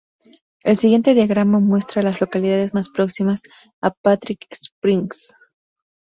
El siguiente diagrama muestra a las localidades más próximas a Patrick Springs.